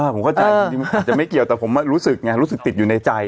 ผมเข้าใจจริงมันอาจจะไม่เกี่ยวแต่ผมรู้สึกไงรู้สึกติดอยู่ในใจ